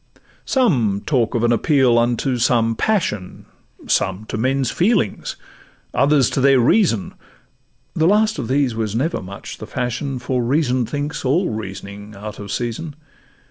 Some talk of an appeal unto some passion, Some to men's feelings, others to their reason; The last of these was never much the fashion, For reason thinks all reasoning out of season.